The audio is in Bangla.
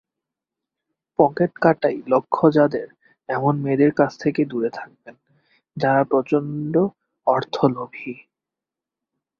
পকেট কাটাই লক্ষ্য যাদেরএমন মেয়েদের কাছ থেকে দূরে থাকবেন, যারা প্রচণ্ড অর্থলোভী।